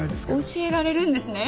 教えられるんですね？